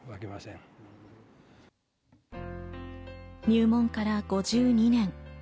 入門から５２年。